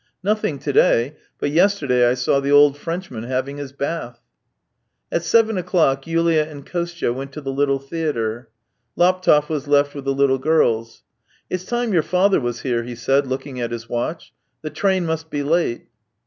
" Nothing to day, but yesterday I saw the old Frenchman having his bath." At seven o'clock Yulia and Kostya went to the Little Theatre. Laptev was left with the little girls. " It's time your father was here," he said, looking at his watch. " The train must be late."